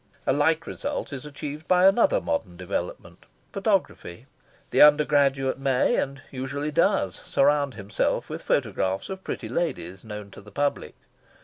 A like result is achieved by another modern development photography. The undergraduate may, and usually does, surround himself with photographs of pretty ladies known to the public.